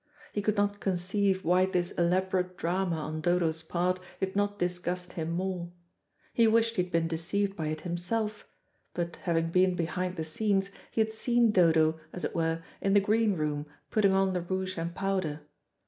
He could not conceive why this elaborate drama on Dodo's part did not disgust him more. He wished he had been deceived by it himself, but having been behind the scenes, he had seen Dodo, as it were, in the green room, putting on the rouge and powder.